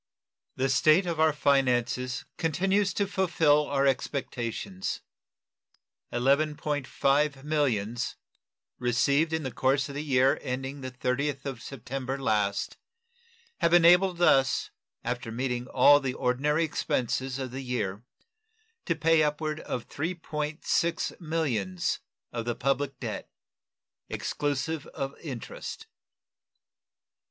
The state of our finances continues to fulfill our expectations. $11.5 millions, received in the course of the year ending the 30th of September last, have enabled us, after meeting all the ordinary expenses of the year, to pay upward of $3.6 millions of the public debt, exclusive of interest.